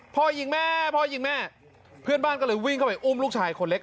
พ่อยิงแม่พ่อยิงแม่เพื่อนบ้านก็เลยวิ่งเข้าไปอุ้มลูกชายคนเล็ก